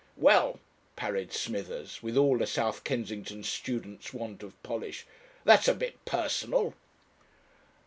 "Well," parried Smithers, with all a South Kensington student's want of polish, "that's a bit personal."